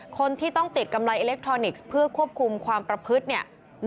คนที่ต้องติดกำไรอิเล็กทรอนิกส์เพื่อควบคุมความประพฤติเนี่ย